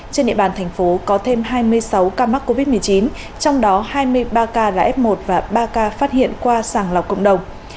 trên địa bàn thành phố có thêm hai mươi sáu ca mắc covid một mươi chín trong đó hai mươi ba ca là f một và ba ca phát hiện qua sàng lọc cộng đồng